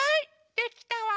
できたわ。